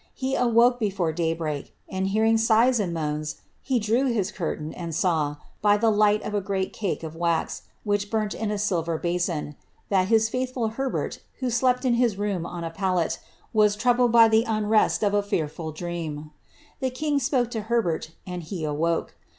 He awoke before day break, and hearing oans, he drew his curtain, and saw, by the light of a great :, which burnt in a silver bason, that his fiiiUiful Herbert, I his room on a pallet, was troubled by the unrest of a fear* rhe king spoke to Herbert, and he awoke.